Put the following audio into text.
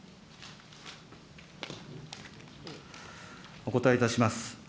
お答えいたします。